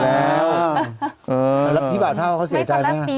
แล้วพี่บาทเท่าเขาเสียใจไหมฮะ